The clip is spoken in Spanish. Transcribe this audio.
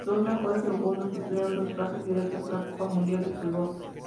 Los dos mejores segundos obtuvieron dos plazas directas a la Copa Mundial de Fútbol.